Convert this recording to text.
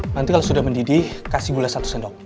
nanti kalau sudah mendidih kasih gula satu sendok